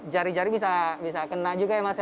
jari jari bisa kena juga ya mas ya